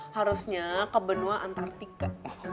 harusnya ke benua antartika